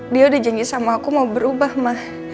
dia udah janji sama aku mau berubah mah